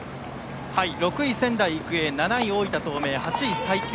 ６位、仙台育英７位、大分東明８位、西京。